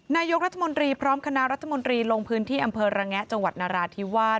นายกรัฐมนตรีพร้อมคณะรัฐมนตรีลงพื้นที่อำเภอระแงะจังหวัดนราธิวาส